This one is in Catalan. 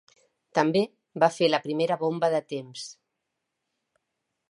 També va fer la primera bomba de temps.